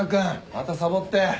またサボって。